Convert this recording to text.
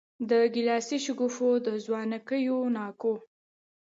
د ګیلاسي شګوفو د ځوانکیو ناکو